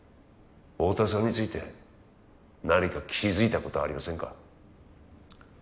太田さんについて何か気づいたことありませんか？